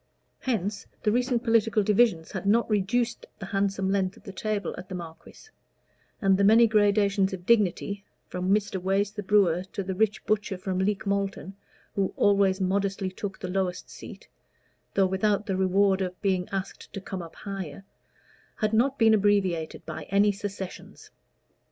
Hence the recent political divisions had not reduced the handsome length of the table at the Marquis; and the many gradations of dignity from Mr. Wace, the brewer, to the rich butcher from Leek Malton, who always modestly took the lowest seat, though without the reward of being asked to come up higher had not been abbreviated by any secessions.